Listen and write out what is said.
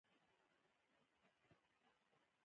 نورالله ښے لاس پۀ نرۍ ملا کېښود